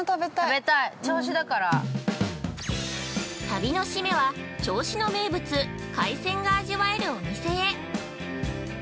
◆旅の締めは、銚子の名物海鮮が味わえるお店へ。